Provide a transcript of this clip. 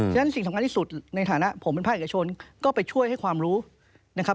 ฉะนั้นสิ่งสำคัญที่สุดในฐานะผมเป็นภาคเอกชนก็ไปช่วยให้ความรู้นะครับ